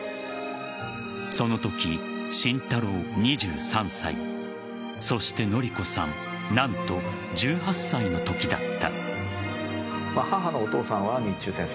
そのとき慎太郎、２３歳そして典子さん何と１８歳のときだった。